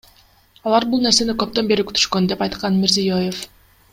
Алар бул нерсени көптөн бери күтүшкөн, — деп айткан Мирзиёев.